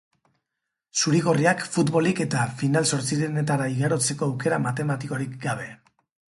Zuri-gorriak, futbolik eta final-zortzirenetara igarotzeko aukera matematikorik gabe.